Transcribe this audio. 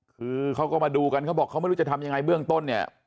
คือเขาก็มาดูกันเขาบอกเขาไม่รู้จะทำยังไงเบื้องต้นเนี่ย